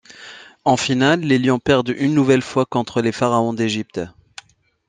En finale les Lions perdent une nouvelle fois contre les Pharaons d'Égypte.